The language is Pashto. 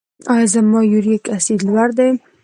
ایا زما یوریک اسید لوړ دی؟